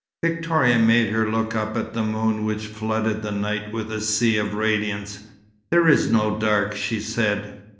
Victoria made her look up at the moon which flooded the night with a sea of radiance. "There is no dark," she said.